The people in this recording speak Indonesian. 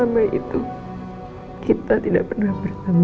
karena kara kayaknya kan ada aja lah gak sih per shel ana